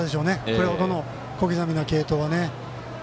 これほどの小刻みな継投は。